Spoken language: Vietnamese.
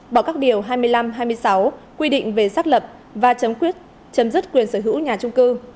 bỏ các điều hai mươi năm hai mươi sáu quy định về xác lập và chấm dứt quyền sở hữu nhà trung cư